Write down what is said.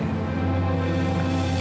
kamu jangan nangis ya